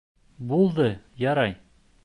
— Булды, ярай.